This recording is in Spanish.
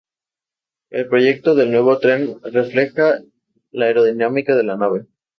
El proyecto del nuevo tren refleja la aerodinámica de la máquina.